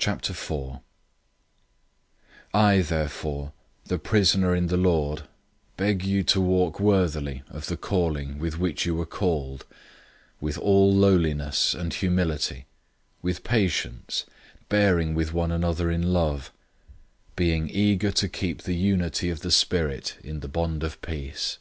004:001 I therefore, the prisoner in the Lord, beg you to walk worthily of the calling with which you were called, 004:002 with all lowliness and humility, with patience, bearing with one another in love; 004:003 being eager to keep the unity of the Spirit in the bond of peace.